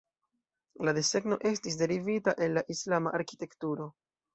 La desegno estis derivita el la Islama arkitekturo.